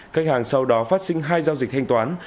khách hàng sau đó phát sinh hai giao dịch thanh toán